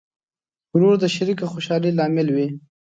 ورور د شریکه خوشحالۍ لامل وي.